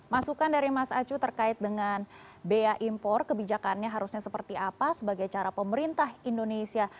masukan dari mas acu terkait dengan bea impor kebijakannya harusnya seperti apa sebagai cara pemerintah indonesia